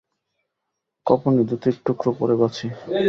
কপনি, ধুতির টুকরো পরে বাঁচি।